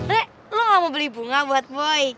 nek lu gak mau beli bunga buat boy